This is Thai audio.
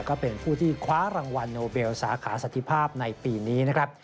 ก็เป็นผู้ที่คว้ารางวัลโนเบลสาขาสันติภาพในปีนี้นะครับ